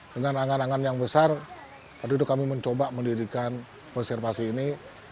dengan angan angan yang besar waktu itu kami mencoba mendirikan konservasi ini